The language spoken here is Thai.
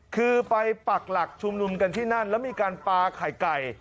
คือไปปักหลักชุมนุมกันที่นั่นแล้วมีการปลาไข่ไก่